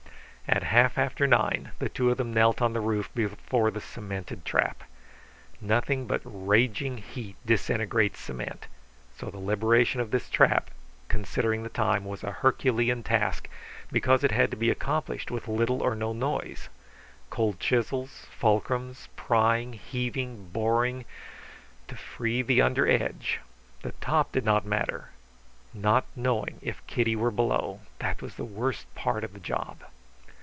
At half after nine the two of them knelt on the roof before the cemented trap. Nothing but raging heat disintegrates cement. So the liberation of this trap, considering the time, was a Herculean task, because it had to be accomplished with little or no noise. Cold chisels, fulcrums, prying, heaving, boring. To free the under edge; the top did not matter. Not knowing if Kitty were below that was the worst part of the job.